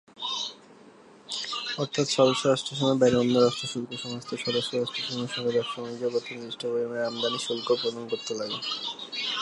অর্থাৎ সদস্য রাষ্ট্রসমূহের বাইরে অন্য রাষ্ট্র শুল্ক সংস্থার সদস্য রাষ্ট্রসমূহের সঙ্গে ব্যবসা-বাণিজ্য করতে নির্দিষ্ট পরিমাণের আমদানি শুল্ক প্রদান করতে লাগে।